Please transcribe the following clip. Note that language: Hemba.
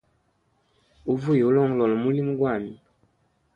Uvuya ulongolola mulimo gwami.